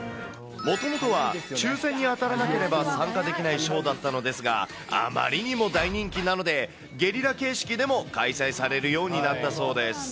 もともとは、抽せんに当たらなければ参加できないショーだったのですが、あまりにも大人気なので、ゲリラ形式でも開催されるようになったそうです。